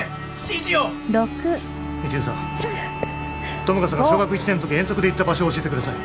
友果さんが小学１年の時遠足で行った場所を教えてください